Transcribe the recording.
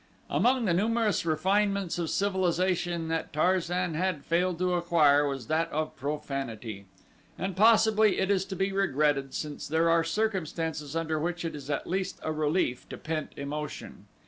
Among the numerous refinements of civilization that Tarzan had failed to acquire was that of profanity, and possibly it is to be regretted since there are circumstances under which it is at least a relief to pent emotion.